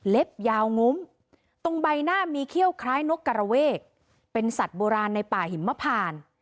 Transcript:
ยาวงุ้มตรงใบหน้ามีเขี้ยวคล้ายนกกระเวกเป็นสัตว์โบราณในป่าหิมพาน